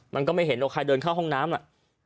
มันก็ไม่เห็นว่าใครเดินเข้าห้องน้ำอ่ะ